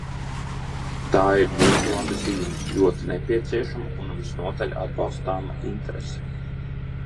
Tā ir ļoti laba zīme, ļoti nepieciešama un visnotaļ atbalstāma interese.